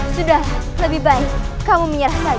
sudahlah lebih baik kamu menyerah saja